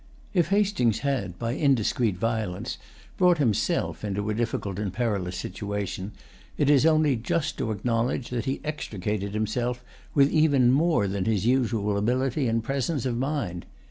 [Pg 186] If Hastings had, by indiscreet violence, brought himself into a difficult and perilous situation, it is only just to acknowledge that he extricated himself with even more than his usual ability and presence of mind.